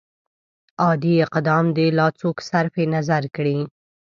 عادي اقدام دې لا څوک صرف نظر کړي.